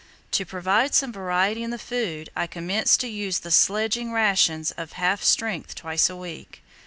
To provide some variety in the food, I commenced to use the sledging ration at half strength twice a week.